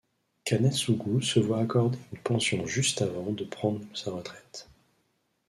Kanetsugu se voit accorder une pension juste avant de prendre sa retraite.